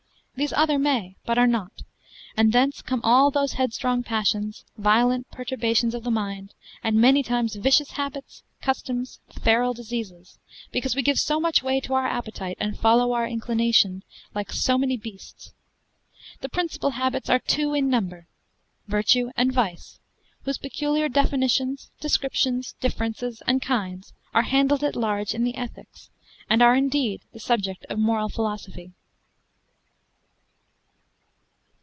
These other may, but are not: and thence come all those headstrong passions, violent perturbations of the mind; and many times vicious habits, customs, feral diseases; because we give so much way to our appetite, and follow our inclination, like so many beasts. The principal habits are two in number, virtue and vice, whose peculiar definitions, descriptions, differences, and kinds, are handled at large in the ethics, and are, indeed, the subject of moral philosophy.